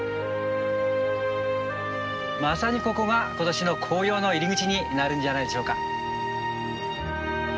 まさにここが今年の紅葉の入り口になるんじゃないでしょうか。